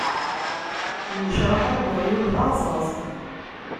Nnecṛaḥa n uɣyul, d aɣẓaẓ.